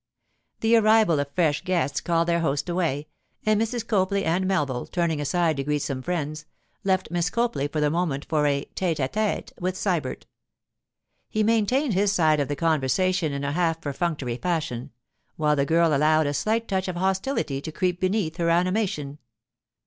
The arrival of fresh guests called their host away, and Mrs. Copley and Melville, turning aside to greet some friends, left Miss Copley for the moment to a tête à tête with Sybert. He maintained his side of the conversation in a half perfunctory fashion, while the girl allowed a slight touch of hostility to creep beneath her animation.